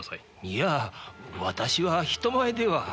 いや私は人前では。